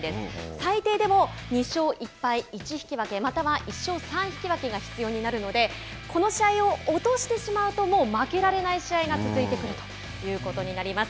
最低でも２勝１敗１分または１勝３引き分けが必要になるのでこの試合を落としてしまうともう負けられない試合が続いてくるということになります。